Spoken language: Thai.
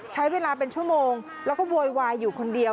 ใช้เวลาเป็นชั่วโมงแล้วก็โวยวายอยู่คนเดียว